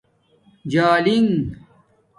جالنگ